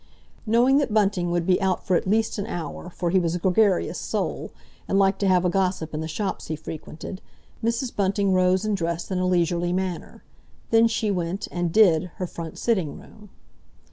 Knowing that Bunting would be out for at least an hour, for he was a gregarious soul, and liked to have a gossip in the shops he frequented, Mrs. Bunting rose and dressed in a leisurely manner; then she went and "did" her front sitting room.